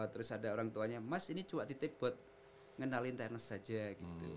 terus ada orang tuanya mas ini cuat titik buat ngenalin tenis aja gitu